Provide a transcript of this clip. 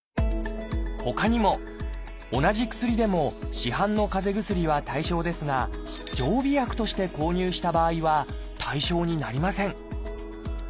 ほかにも同じ薬でも市販のかぜ薬は対象ですが常備薬として購入した場合は対象になりません